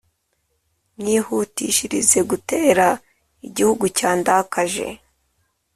nyihutishirije gutera igihugu cyandakaje,